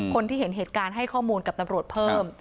คนที่เห็นเหตุการณ์ให้ข้อมูลกับตำรวจเพิ่ม